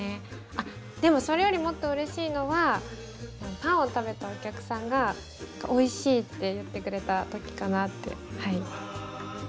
あっでもそれよりもっとうれしいのはパンを食べたお客さんがおいしいって言ってくれた時かなってはい。